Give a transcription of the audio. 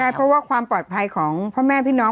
เพราะว่าความปลอดภัยของพ่อแม่พี่น้อง